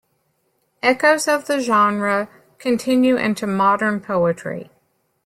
Echoes of the genre continue into modern poetry.